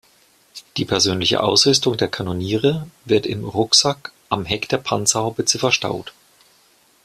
Die persönliche Ausrüstung der Kanoniere wird im „Rucksack“ am Heck der Panzerhaubitze verstaut.